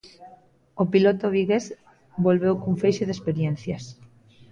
O piloto vigués volveu cun feixe de experiencias.